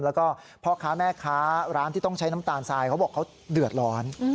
แล้วก็พ่อค้าแม่ค้าร้านที่ต้องใช้น้ำตาลทรายเขาบอกเขาเดือดร้อน